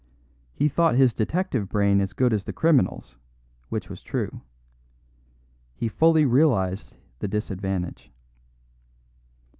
He thought his detective brain as good as the criminal's, which was true. But he fully realised the disadvantage.